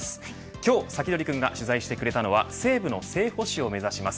今日サキドリくんが取材してくれたのは西武の正捕手を目指します